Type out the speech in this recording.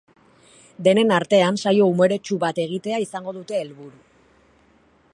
Denen artean, saio umoretsu bat egitea izango dute helburu.